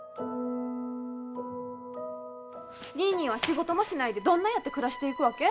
ニーニーは仕事もしないでどんなやって暮らしていくわけ？